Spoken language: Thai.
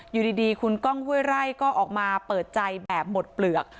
อยู่ดีคุณก้องห้วยไร่ก็ออกมาเปิดใจแบบหมดเปลือก